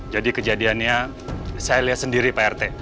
jadi kejadiannya saya liat sendiri pak rt